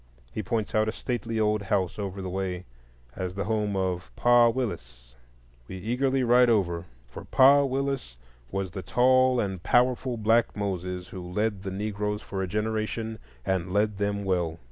He points out a stately old house over the way as the home of "Pa Willis." We eagerly ride over, for "Pa Willis" was the tall and powerful black Moses who led the Negroes for a generation, and led them well.